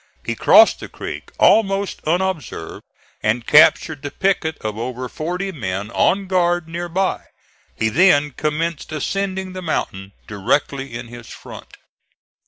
He crossed the creek almost unobserved, and captured the picket of over forty men on guard near by. He then commenced ascending the mountain directly in his front.